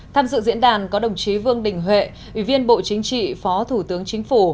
tham dự diễn đàn có đồng chí vương đình huệ ủy viên bộ chính trị phó thủ tướng chính phủ